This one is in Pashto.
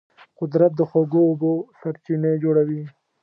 قدرت د خوږو اوبو سرچینې جوړوي.